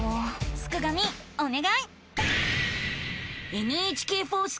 すくがミおねがい！